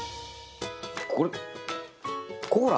これコーラ？